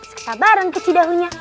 saksa bareng ke cidahunya